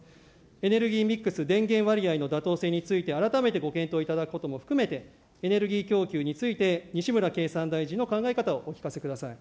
エネルギーミックス、電源割合の妥当性について改めてご検討いただくことも含めて、エネルギー供給について、西村経産大臣の考え方をお聞かせください。